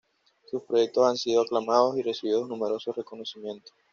Sus proyectos han sido aclamados y recibidos numerosos reconocimientos.